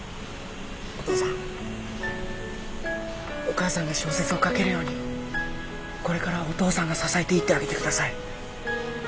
お父さんお母さんが小説を書けるようにこれからはお父さんが支えていってあげて下さい。